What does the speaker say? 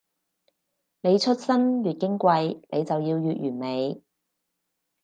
你出身越矜貴，你就要越完美